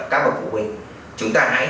các bậc phụ huynh chúng ta hãy